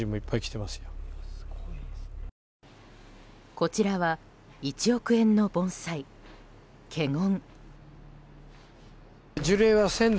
こちらは１億円の盆栽「華厳」。